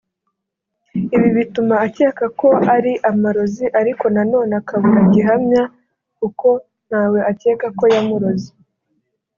Ibi bituma akeka ko ari amarozi ariko nanone akabura gihamya kuko nta we akeka ko yamuroze